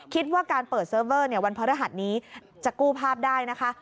คิดว่าการเปิดเซิร์ฟเวอร์วันพระรหัสนี้จะกู้ภาพได้นะคะ